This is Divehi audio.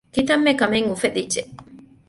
ކިތަންމެ ކަމެއް އުފެދިއްޖެ